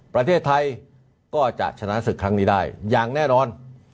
ประเทศไทยก็จะชนะศึกครั้งนี้ได้อย่างแน่นอน